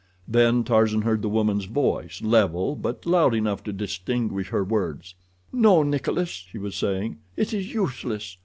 Then Tarzan heard the woman's voice, level, but loud enough to distinguish her words. "No, Nikolas," she was saying, "it is useless.